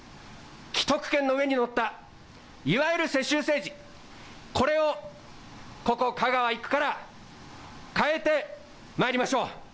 既得権の上に乗ったいわゆる世襲政治、これをここ香川１区から変えてまいりましょう。